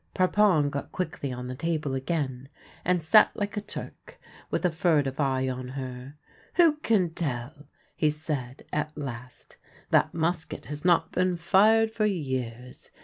Parpon got quickly on the table again and sat like a Turk, with a furtive eye on her. " Who can tell !" he said at last. " That musket has not been fired for years.